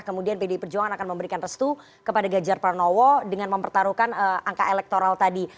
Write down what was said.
kemudian pdi perjuangan akan memberikan restu kepada ganjar pranowo dengan mempertaruhkan angka elektoral tadi